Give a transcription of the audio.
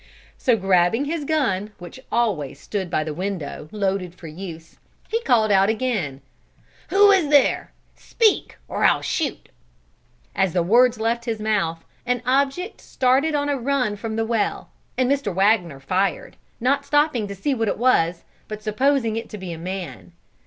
So grabbing his gun, which always stood by the window loaded for use, he called out again: "Who is there? Speak, or I'll shoot!" As the words left his mouth, an object started on a run from the well, and Mr. Wagner fired, not stopping to see what it was, but supposing it to be a man.